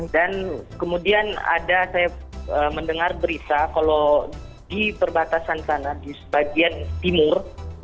dan kemudian ada saya mendengar berita kalau di perbatasan sana di bagian timur